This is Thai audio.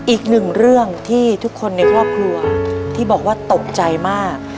อีกหนึ่งเรื่องที่ทุกคนในครอบครัวที่บอกว่าตกใจมาก